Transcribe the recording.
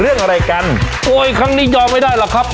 เรื่องอะไรกันโอ้ยครั้งนี้ยอมไม่ได้หรอกครับ